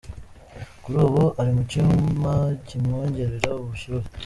Kuri ubu ari mu cyuma kimwongerera ubushyuhe.